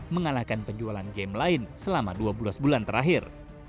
mengalahkan penjualan game lain selama dua belas bulan terakhir